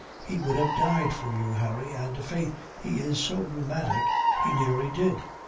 He would have died for you, Harry, and faith he is so rheumatic he nearly did.